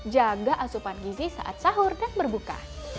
jaga asupan gizi saat sahur dan berbuka